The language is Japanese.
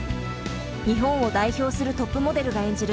日本を代表するトップモデルが演じる